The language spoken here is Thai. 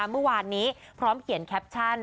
เมื่อวานนี้พร้อมเขียนแคปชั่น